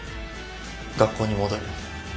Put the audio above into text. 学校に戻る。